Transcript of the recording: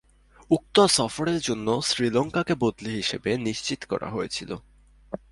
উক্ত সফরের জন্য শ্রীলঙ্কাকে বদলি হিসাবে নিশ্চিত করা হয়েছিল।